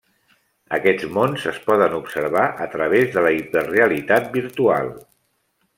Aquests mons es poden observar a través de la Hiperrealitat Virtual.